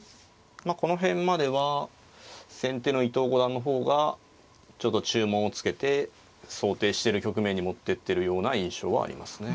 まあこの辺までは先手の伊藤五段の方がちょっと注文をつけて想定してる局面に持ってってるような印象はありますね。